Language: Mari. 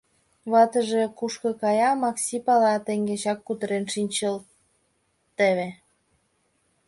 Ватыже кушко кая — Макси пала: теҥгечак кутырен шинчылтеве.